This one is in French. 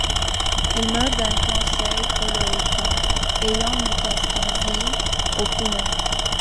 Il meurt d'un cancer colorectal, ayant métastasé aux poumons.